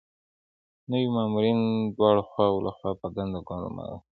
نوي مامورین د دواړو خواوو لخوا په دنده ګمارل کیږي.